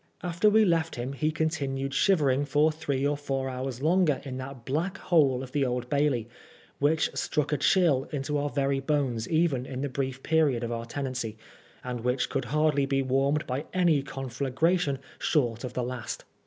After we left him he continued shivering for three or four hours longer in that black hole of the Old Bailey, which struck a chill into our very bones even in the brief period of our tenancy, and which could hardly be warmed by any conflagration short of the last.